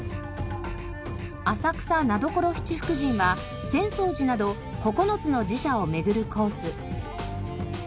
浅草名所七福神は浅草寺など９つの寺社を巡るコース。